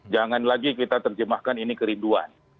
jangan lagi kita terjemahkan ini kerinduan